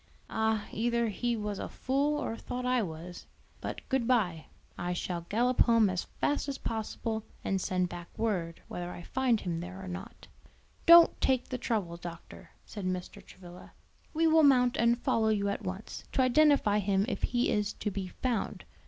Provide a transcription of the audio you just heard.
"Ah, either he was a fool or thought I was. But good bye. I shall gallop home as fast as possible and send back word whether I find him there or not." "Don't take the trouble, doctor," said Mr. Travilla; "we will mount and follow you at once, to identify him if he is to be found.